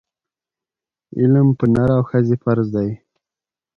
علم پر نر او ښځي فرض دی